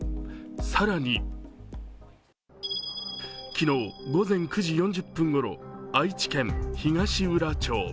更に昨日午前９時４０分頃愛知県東浦町。